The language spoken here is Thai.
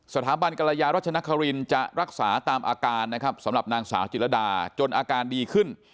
สถาบันกรยารัชนครินจะรักษาตามอาการนะครับสำหรับนางสาวจิรดาจนอาการดีขึ้น